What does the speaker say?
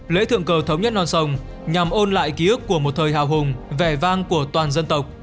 lễ thượng cờ thống nhất non sông nhằm ôn lại ký ức của một thời hào hùng vẻ vang của toàn dân tộc